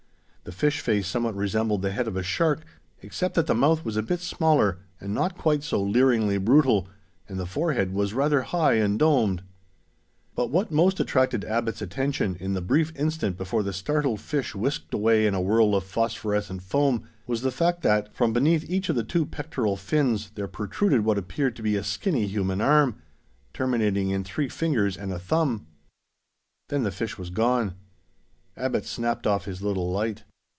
The fish face somewhat resembled the head of a shark, except that the mouth was a bit smaller and not quite so leeringly brutal, and the forehead was rather high and domed. But what most attracted Abbot's attention, in the brief instant before the startled fish whisked away in a swirl of phosphorescent foam, was the fact that, from beneath each of the two pectoral fins, there protruded what appeared to be a skinny human arm, terminating in three fingers and a thumb! Then the fish was gone. Abbot snapped off his little light.